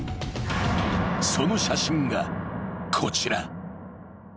［その写真がこちら］